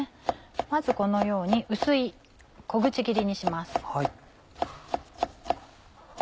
まずこのように薄い小口切りにします。